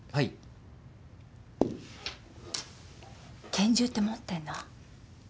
「拳銃」って持ってんの？